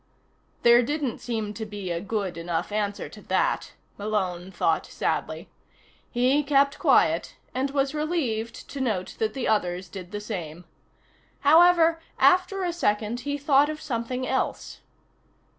There didn't seem to be a good enough answer to that, Malone thought sadly. He kept quiet and was relieved to note that the others did the same. However, after a second he thought of something else.